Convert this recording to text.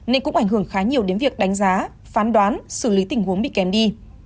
nên cũng ảnh hưởng khá nhiều đến việc đánh giá phán đoán xử lý tình huống bị kém đi